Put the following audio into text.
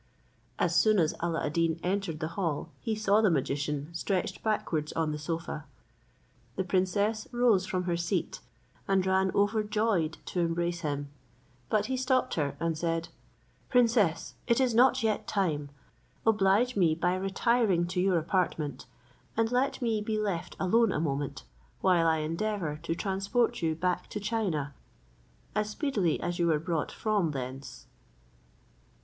As soon as Alla ad Deen entered the hall, he saw the magician stretched backwards on the sofa. The princess rose from her seat, and ran overjoyed to embrace him; but he stopped her, and said, "Princess, it is not yet time; oblige me by retiring to your apartment; and let me be left alone a moment, while I endeavour to transport you back to China as speedily as you were brought from thence."